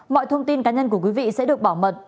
mọi thông tin cá nhân của quý vị sẽ được bảo mật